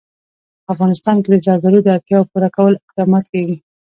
په افغانستان کې د زردالو د اړتیاوو پوره کولو اقدامات کېږي.